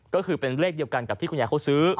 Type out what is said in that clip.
ก็คือเป็นเลขเดียวกันกับที่คุณยายเขาซื้อ